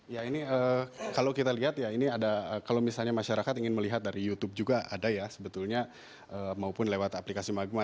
ya ini kalau kita lihat ya ini ada kalau misalnya masyarakat ingin melihat dari youtube juga ada ya sebetulnya maupun lewat aplikasi magma